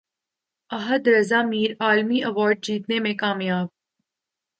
احد رضا میر عالمی ایوارڈ جیتنے میں کامیاب